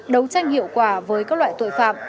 đấu tranh hiệu quả với các loại tội phạm